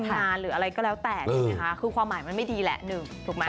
งานหรืออะไรก็แล้วแต่ใช่ไหมคะคือความหมายมันไม่ดีแหละหนึ่งถูกไหม